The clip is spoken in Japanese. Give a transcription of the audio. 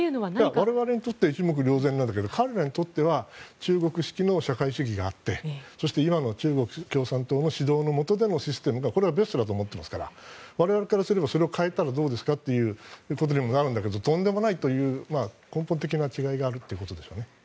我々にとっては一目瞭然だけど、彼らにとっては中国式の社会主義があって今の中国共産党の指導の下でのシステムがベストだと思っていますから我々からすれば、それを変えたらどうですかということになるけどとんでもないという根本的な違いがあるんですね。